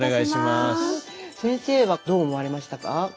先生はどう思われましたか？